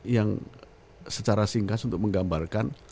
yang secara singkat untuk menggambarkan